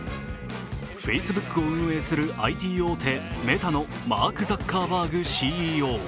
Ｆａｃｅｂｏｏｋを運営するＩＴ大手・メタのマーク・ザッカーバーグＣＥＯ。